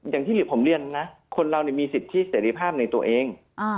อย่างที่ผมเรียนนะคนเรามีสิทธิเสรีภาพในตัวเอง